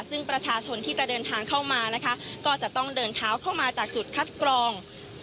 ซึ่งประชาชนที่จะเดินทางเข้ามานะคะก็จะต้องเดินเท้าเข้ามาจากจุดคัดกรอง